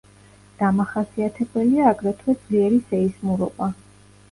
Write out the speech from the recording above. დამახასიათებელია აგრეთვე ძლიერი სეისმურობა.